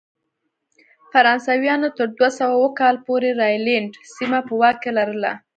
فرانسویانو تر دوه سوه اووه کال پورې راینلنډ سیمه په واک کې لرله.